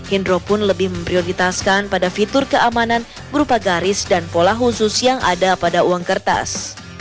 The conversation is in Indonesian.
indro pun lebih memprioritaskan pada fitur keamanan berupa garis dan pola khusus yang ada pada uang kertas